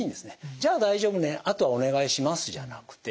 「じゃあ大丈夫ねあとはお願いします」じゃなくて。